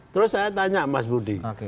terus saya tanya mas budi